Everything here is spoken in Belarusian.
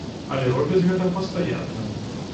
Але робяць гэта пастаянна.